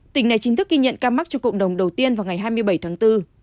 tỉnh này chính thức ghi nhận ca mắc cho cộng đồng đầu tiên vào ngày hai mươi bảy tháng bốn